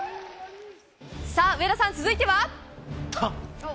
上田さん、続いては。